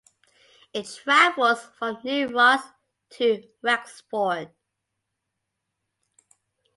It travels from New Ross to Wexford.